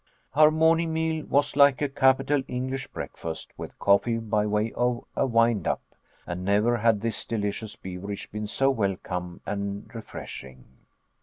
Our morning meal was like a capital English breakfast, with coffee by way of a windup. And never had this delicious beverage been so welcome and refreshing.